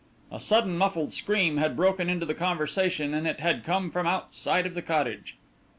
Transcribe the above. A sudden muffled scream had broken into the conversation and it had come from the inside of the cottage.